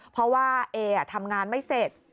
เพราะว่าเอทำงานไม่เสร็จ